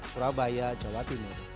di surabaya jawa timur